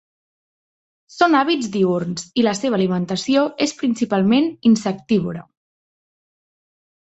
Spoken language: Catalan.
Són d'hàbits diürns i la seva alimentació és principalment insectívora.